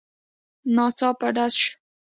ناڅاپه درز شو.